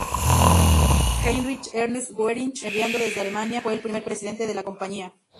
Heinrich Ernst Goering, enviado desde Alemania, fue el primer presidente de la compañía.